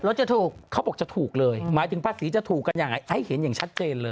จะถูกเขาบอกจะถูกเลยหมายถึงภาษีจะถูกกันยังไงให้เห็นอย่างชัดเจนเลย